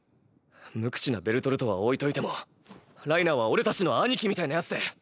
無口なベルトルトは置いといてもライナーはオレたちの兄貴みたいな奴で。